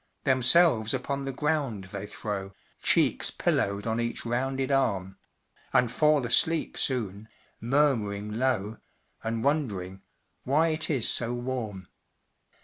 Themselves upon the ground they throw, Cheeks pillowed on each rounded arm And fall asleep soon, murmuring low, And wondering "why it is so warm?"